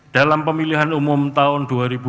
dalam pemilihan umum tahun dua ribu dua puluh